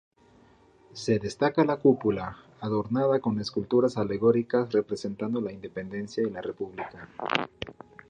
Se destaca la cúpula, adornada con esculturas alegóricas representando la Independencia y la República.